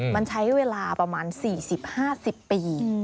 มันใช้เวลาประมาณ๔๐๕๐ปี